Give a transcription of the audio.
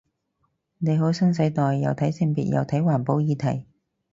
你好新世代，又睇性別又睇環保議題